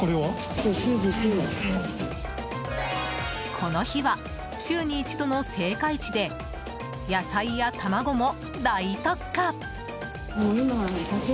この日は、週に一度の青果市で野菜や卵も大特価。